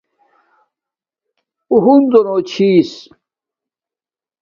او ہنزو نو چھس